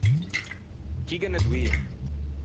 Chì ghe n’é doî.